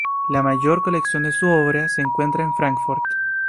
La mayor colección de su obra se encuentra en Fráncfort.